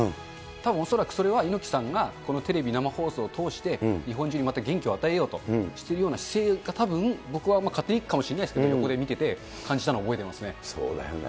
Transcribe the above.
たぶん恐らくそれは、猪木さんがこのテレビ、生放送を通して、日本中にまた元気を与えようとしているような姿勢がたぶん、僕は勝手にかもしれないですけれども、横で見ていて、感じたのをそうだよね。